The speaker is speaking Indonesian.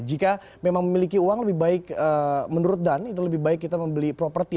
jika memang memiliki uang lebih baik kita membeli properti